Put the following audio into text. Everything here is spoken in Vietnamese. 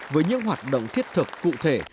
với những hoạt động thiết thực cụ thể